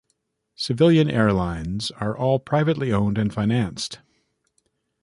Civilian airlines are all privately owned and financed.